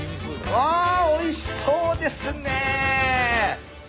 ああおいしそうですね！